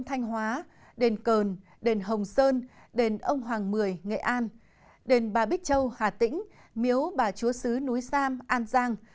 thanh hóa đền cờn đền hồng sơn đền ông hoàng mười nghệ an đền bà bích châu hà tĩnh miếu bà chúa sứ núi sam an giang